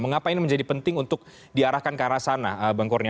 mengapa ini menjadi penting untuk diarahkan ke arah sana bang kurnia